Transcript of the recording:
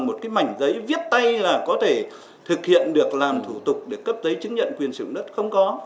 một cái mảnh giấy viết tay là có thể thực hiện được làm thủ tục để cấp giấy chứng nhận quyền sử dụng đất không có